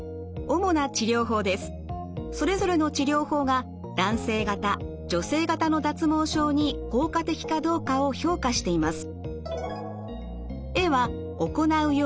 それぞれの治療法が男性型女性型の脱毛症に効果的かどうかを評価しています。